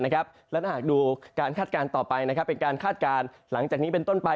และถ้าหากดูการคาดการณ์ต่อไปเป็นการคาดการณ์หลังจากนี้เป็นต้นไป